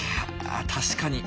あ確かに。